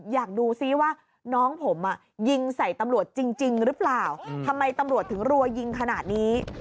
อยากดูซิว่าน้องผมยิงใส่ตำรวจจริงหรือเปล่าทำไมตำรวจถึงรัวยิงขนาดนี้